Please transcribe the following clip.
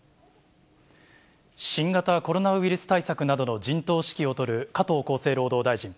新型コロナウイルス対策などの陣頭指揮を執る加藤厚生労働大臣。